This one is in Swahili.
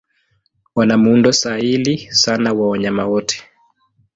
Wana muundo sahili sana wa wanyama wote.